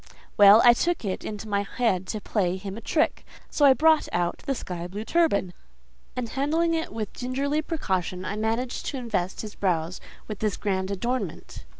Well, I took it into my head to play him a trick: so I brought out the sky blue turban, and handling it with gingerly precaution, I managed to invest his brows with this grand adornment.